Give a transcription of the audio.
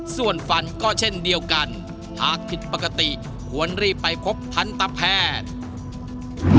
ส่วนฟันก็เช่นเดียวกันหากผิดปกติควรรีบไปพบทันตแพทย์